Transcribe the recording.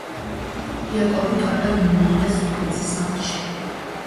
იაკობი კარგად მიიღეს ბიძის სახლში.